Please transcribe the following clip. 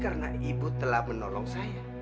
karena ibu telah menolong saya